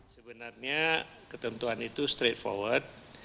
sebenarnya ketentuan itu straightforward